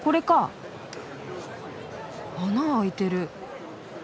穴開いてる。